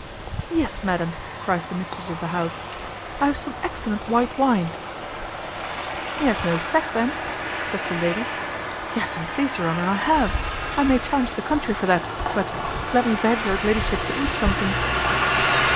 "Yes, madam," cries the mistress of the house, "I have some excellent white wine." "You have no sack, then?" says the lady. "Yes, an't please your honour, I have; I may challenge the country for that but let me beg your ladyship to eat something."